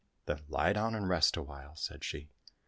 —" Then lie down and rest awhile," said she.